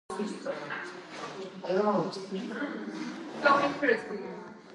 მან კინოკრიტიკოსების მოწონება დაიმსახურა.